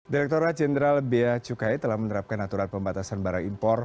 direkturat jenderal biaya cukai telah menerapkan aturan pembatasan barang impor